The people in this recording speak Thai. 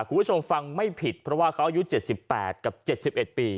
ของคุณผู้ชมฟังไม่ผิดเพราะว่าเขาอายุเจ็ดสิบแปดกับเจ็ดสิบเอ็ดปี